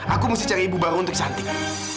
aku mesti cari ibu baru untuk cantik